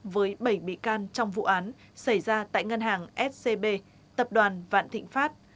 với bảy bị can trong vụ án xảy ra tại ngân hàng scb tập đoàn vạn thịnh pháp